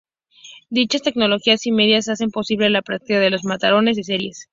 Dichas tecnologías y medios hacen posible la práctica de los maratones de series.